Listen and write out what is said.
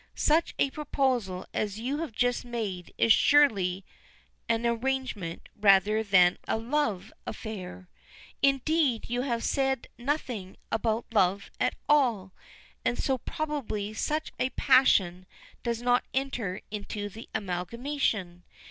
Such a proposal as you have just made is surely an arrangement rather than a love affair. Indeed, you have said nothing about love at all, and so probably such a passion does not enter into the amalgamation.